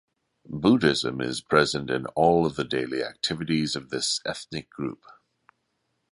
Buddhism is present in all of the daily activities of this ethnic group.